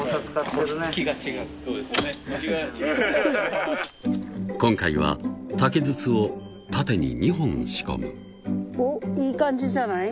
腰が違う今回は竹筒を縦に２本仕込むおっいい感じじゃない？